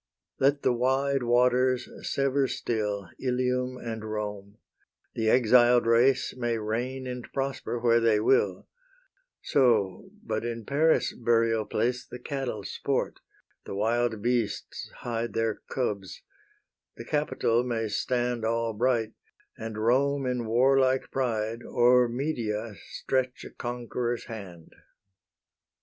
Let the wide waters sever still Ilium and Rome, the exiled race May reign and prosper where they will: So but in Paris' burial place The cattle sport, the wild beasts hide Their cubs, the Capitol may stand All bright, and Rome in warlike pride O'er Media stretch a conqueror's hand.